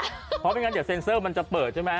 เพราะสนับกลางเดียวเซ็นเซอร์มันจะเปิดใช่มั้ย